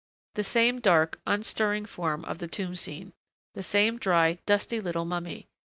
The same dark, unstirring form of the tomb scene. The same dry, dusty little mummy....